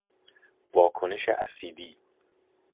واکنش اسیدی